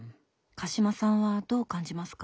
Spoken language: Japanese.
鹿島さんはどう感じますか？